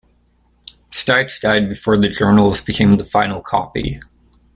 Stites died before the journals became the final copy.